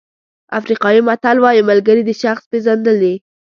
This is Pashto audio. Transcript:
افریقایي متل وایي ملګري د شخص پېژندل دي.